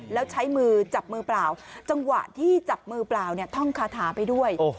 แล้วใช้มือจับมือเปล่าจังหวะที่จับมือเปล่าเนี่ยท่องคาถาไปด้วย